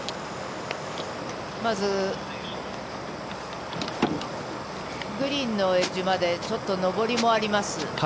まず、グリーンのエッジまでちょっと上りもあります。